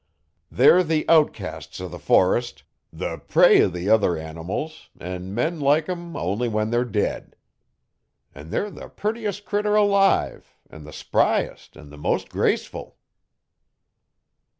They're the outcasts o' the forest the prey o' the other animals an' men like 'em only when they're dead. An' they're the purtiest critter alive an' the spryest an' the mos' graceful.'